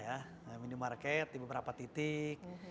ya minimarket di beberapa titik